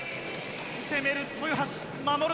攻める豊橋守る